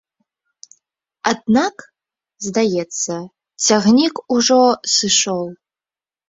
Аднак, здаецца, цягнік ужо сышоў.